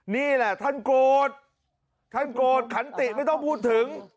นี่แหละท่านโกรธท่านโกรธขันติไม่ต้องพูดถึง